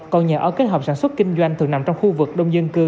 còn nhà ở kết hợp sản xuất kinh doanh thường nằm trong khu vực đông dân cư